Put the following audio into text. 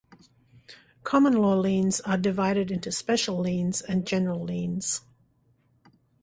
Common-law liens are divided into "special liens" and "general liens".